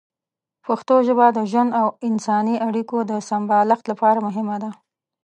پښتو ژبه د ژوند او انساني اړیکو د سمبالښت لپاره مهمه ده.